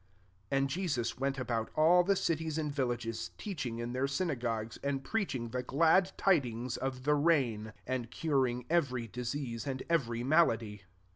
35 And Jesus went about all the t:ities and villages, teaching in their synagogues, and preach ing the glad tidings of the reign, and curing every disease and every malady.